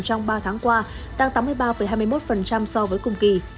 trong ba tháng qua tăng tám mươi ba hai mươi một so với cùng kỳ